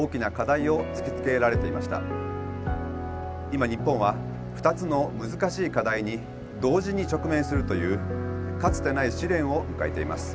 今日本は２つの難しい課題に同時に直面するというかつてない試練を迎えています。